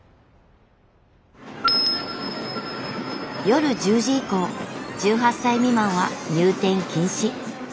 夜１０時以降１８歳未満は入店禁止。